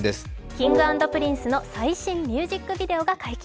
Ｋｉｎｇ＆Ｐｒｉｎｃｅの最新ミュージックビデオが解禁。